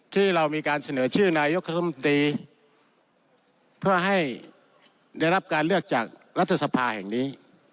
ที่เรามีการเสนอชื่อนายกรัฐมนตรีเพื่อให้ได้รับการเลือกจากรัฐสภาแห่งนี้